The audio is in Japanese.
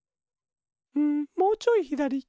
うんもうちょいひだり。